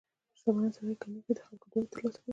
• شتمن سړی که نیک وي، د خلکو دعاوې ترلاسه کوي.